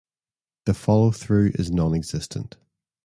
The follow-through is nonexistent.